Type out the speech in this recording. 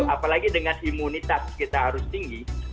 apalagi dengan imunitas kita harus tinggi